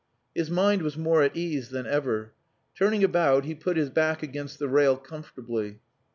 His mind was more at ease than ever. Turning about he put his back against the rail comfortably.